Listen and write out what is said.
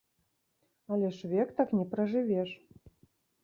Але ж век так не пражывеш.